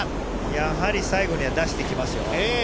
やはり最後には出してきますよ。